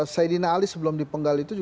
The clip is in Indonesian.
saidina ali sebelum dipenggal itu